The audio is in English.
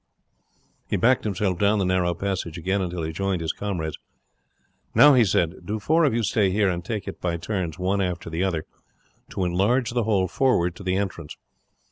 He backed himself down the narrow passage again until he joined his comrades. "Now," he said, "do four of you stay here, and take it by turns, one after the other, to enlarge the hole forward to the entrance.